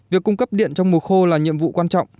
việc cung cấp điện trong mùa khô là nhiệm vụ quan trọng